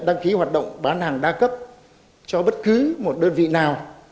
đăng ký hoạt động bán hàng đa cấp cho bất cứ một đơn vị nào